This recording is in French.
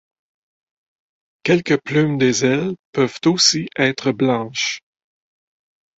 Quelques plumes des ailes peuvent aussi être blanches.